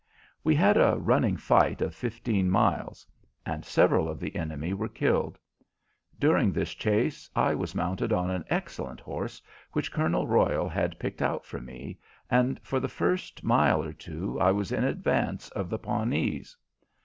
We had a running fight of fifteen miles, and several of the enemy were killed. During this chase I was mounted on an excellent horse, which Colonel Royal had picked out for me, and for the first mile or two I was in advance of the Pawnees.